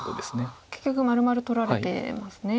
結局まるまる取られてますね。